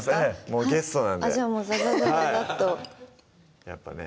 もうゲストなんでじゃあもうざばざばざばっとやっぱね